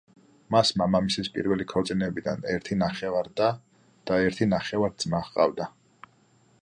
მას მამამისის პირველი ქორწინებიდან ერთი ნახევარ-და და ერთი ნახევარ-ძმა ჰყავდა.